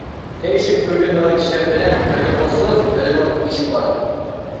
تىرىشىپ ئۆگىنىدىغان كىشىلەر بىلەن بىرگە بولسىڭىز، بىلىمىڭىز ئېشىپ بارىدۇ.